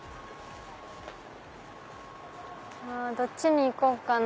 どっちに行こうかな。